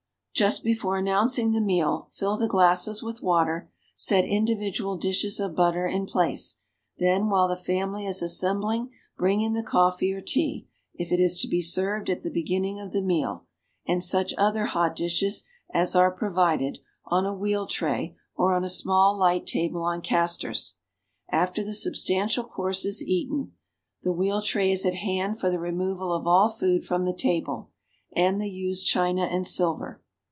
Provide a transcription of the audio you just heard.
Just before announcing the meal, fill the glasses with water, set individual dishes of tnittcr in place, then while the fam ily is assembling bring in the coffee or tea, if it is to be served at the beginning of the meal, and such other hot di.shes as are pro vided, on a wheel tray or on a small light table on castors. After (he subsl intiiil course is eaten, the wheel tray is at hand for the removal of all food from the table, and the used china and silver.